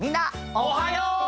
おはよう！